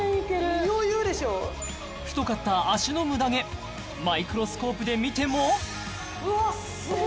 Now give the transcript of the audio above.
太かった脚のムダ毛マイクロスコープで見てもわっスゴ！